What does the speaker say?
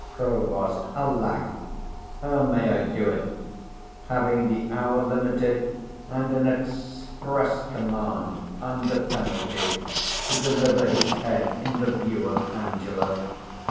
Prov. Alack, how may I do it, having the hour limited, and an express command, under penalty, to deliver his head in the view of Angelo?